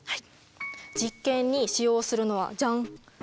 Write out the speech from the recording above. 実験に使用するのはジャン。